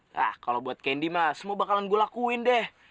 nah kalau buat candi mah semua bakalan gue lakuin deh